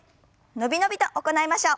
伸び伸びと行いましょう。